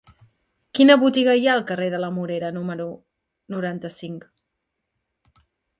Quina botiga hi ha al carrer de la Morera número noranta-cinc?